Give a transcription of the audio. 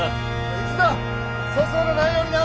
一同粗相のないようにな！